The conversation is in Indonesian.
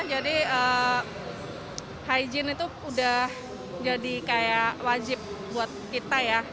jadi hygiene itu udah jadi kayak wajib buat kita ya